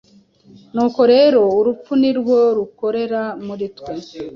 Nuko rero urupfu ni rwo rukorera muri twe,